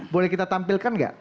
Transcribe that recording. boleh kita tampilkan enggak